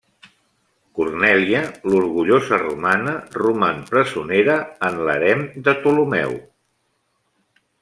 Cornèlia, l'orgullosa romana, roman presonera en l'harem de Ptolemeu.